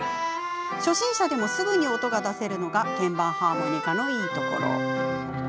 初心者でもすぐに音が出せるのが鍵盤ハーモニカのいいところ。